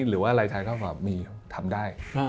หรือว่าอะไรท้ายเขาก็บอกว่ามีทำได้